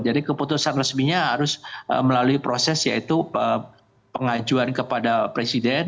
jadi keputusan resminya harus melalui proses yaitu pengajuan kepada presiden